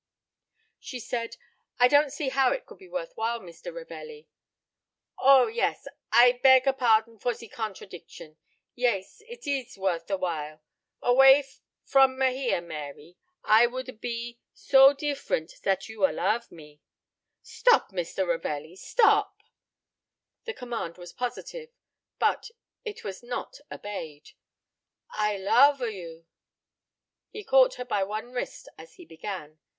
She said: "I don't see how it could be worth while, Mr. Ravelli." "O, yes I beg a par don for ze contradiction yes, it ees worth a while. Away from a here, Mary, I would a be so deef e rent zat you a love me." "Stop, Mr. Ravelli stop." The command was positive, but it was not obeyed. "I love a you." He caught her by one wrist as he began.